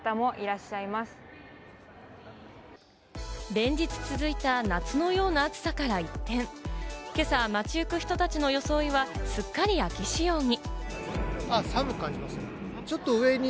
連日続いた夏のような暑さから一転、今朝、街行く人たちの装いは、すっかり秋仕様に。